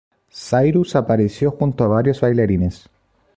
Cyrus apareció junto a varios bailarines.